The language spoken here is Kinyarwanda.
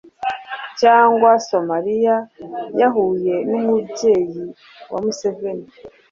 cyangwa Somalia yahuye n’umubyeyi wa Museveni,